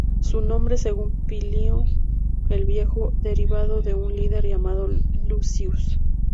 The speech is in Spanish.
Su nombre, según Plinio el Viejo, derivaba de un líder llamado "Lucius".